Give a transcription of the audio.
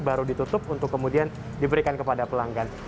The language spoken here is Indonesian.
baru ditutup untuk kemudian diberikan kepada pelanggan